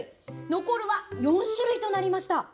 残るは４種類となりました。